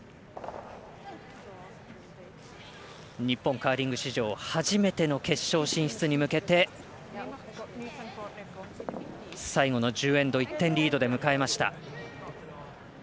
日本、カーリング史上初めての決勝進出に向けて最後の１０エンド１点リードで迎えました。